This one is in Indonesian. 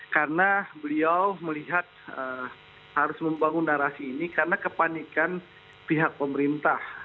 karena beliau melihat harus membangun narasi ini karena kepanikan pihak pemerintah